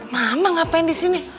mama ngapain disini